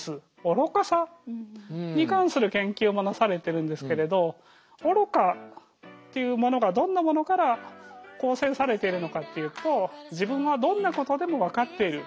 に関する研究もなされてるんですけれど愚かというものがどんなものから構成されてるのかっていうと自分はどんなことでも分かっている。